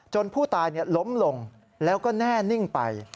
ผู้ตายล้มลงแล้วก็แน่นิ่งไป